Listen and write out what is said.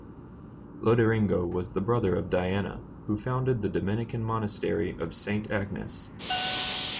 Loderingo was the brother of Diana, who founded the Dominican Monastery of Saint Agnes.